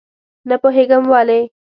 نه پوهېږم ولې.